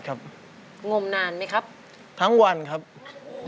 เพลงที่๑มูลค่า๑๐๐๐๐บาท